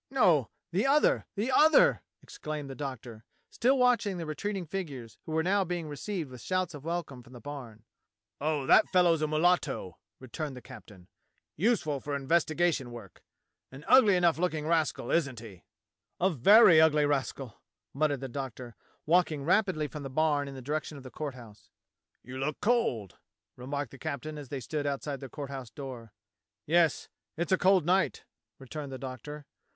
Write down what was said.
"No — the other, the other," exclaimed the Doctor, still watching the retreating figures who were now being received with shouts of welcome from the barn. "Oh, that fellow's a mulatto," returned the captain; "useful for investigation work. An ugly enough look ing rascal, isn't he? " "A very ugly rascal," muttered the Doctor, walking rapidly from the barn in the direction of the Court House. "You look cold," remarked the captain as they stood outside the Court House door. "Yes. It's a cold night," returned the Doctor.